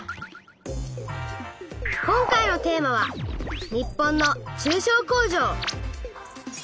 今回のテーマは「日本の中小工場」。